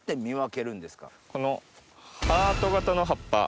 このハート形の葉っぱ